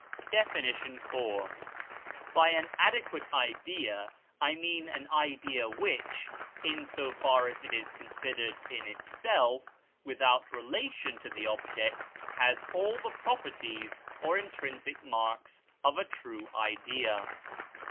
DEFINITION IV. By an adequate idea, I mean an idea which, in so far as it is considered in itself, without relation to the object, has all the properties or intrinsic marks of a true idea.